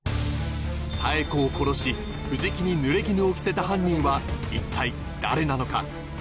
妙子を殺し藤木に濡れ衣を着せた犯人は一体誰なのか？